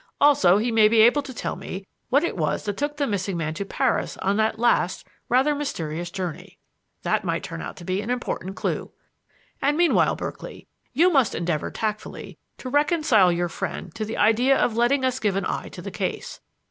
Also he may be able to tell me what it was that took the missing man to Paris on that last, rather mysterious journey. That might turn out to be an important clue. And meanwhile, Berkeley, you must endeavor tactfully to reconcile your friend to the idea of letting us give an eye to the case.